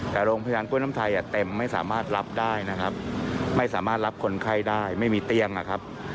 แต่โรงพยาบาลกล้วยน้ำไทยเต็มไม่สามารถรับได้นะครับไม่สามารถรับคนไข้ได้ไม่มีเตียงนะครับ